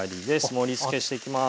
盛りつけしていきます。